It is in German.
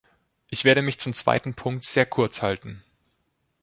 Ich werde mich zum zweiten Punkt sehr kurz halten.